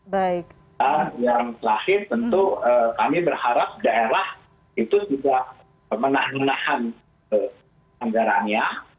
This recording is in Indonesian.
dan yang terakhir tentu kami berharap daerah itu sudah menahan anggaranya